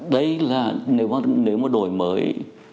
đây là nếu một đổi mới